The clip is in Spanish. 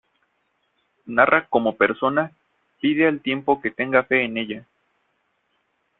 Narra cómo persona pide al tiempo que tenga fe en ella.